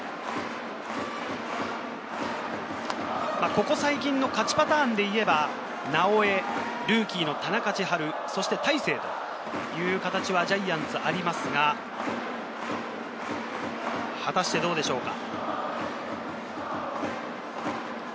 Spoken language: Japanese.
ここ最近の勝ちパターンでいえば直江、ルーキーの田中千晴、そして大勢という形はジャイアンツはありますが、果たしてどうでしょうか？